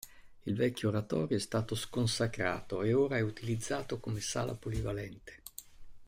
Il vecchio oratorio è stato sconsacrato e ora è utilizzato come sala polivalente.